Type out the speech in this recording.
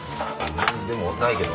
でもないけど？